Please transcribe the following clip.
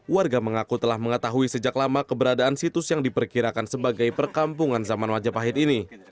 warga mengaku telah mengetahui sejak lama keberadaan situs yang diperkirakan sebagai perkampungan zaman majapahit ini